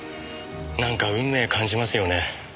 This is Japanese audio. なんか運命感じますよね。